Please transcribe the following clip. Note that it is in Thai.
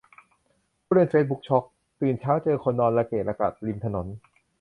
ผู้เล่นเฟซบุ๊กช็อก ตื่นเช้าเจอคนนอนระเกะระกะริมถนน